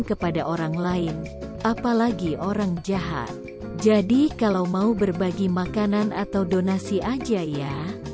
kepada orang lain apalagi orang jahat jadi kalau mau berbagi makanan atau donasi aja ya